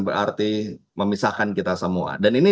berarti memisahkan kita semua dan ini